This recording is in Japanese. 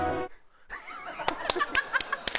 ハハハハ！